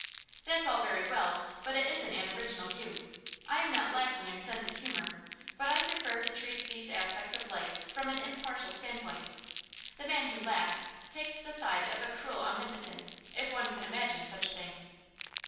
'That's all very well, but it isn't an original view. I am not lacking in sense of humour, but I prefer to treat these aspects of life from an impartial standpoint. The man who laughs takes the side of a cruel omnipotence, if one can imagine such a thing.